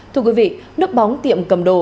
thưa quý vị nước bóng tiệm cầm đồ